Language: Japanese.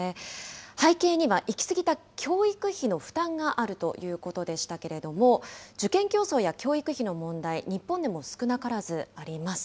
背景には、行き過ぎた教育費の負担があるということでしたけれども、受験競争や教育費の問題、日本でも少なからずあります。